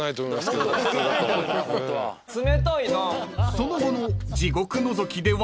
［その後の地獄のぞきでは］